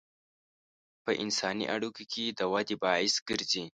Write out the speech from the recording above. په انساني اړیکو کې د ودې باعث ګرځي.